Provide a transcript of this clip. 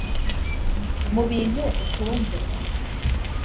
Mu bintu utunze